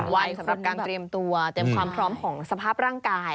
วัยสำหรับการเตรียมตัวเตรียมความพร้อมของสภาพร่างกาย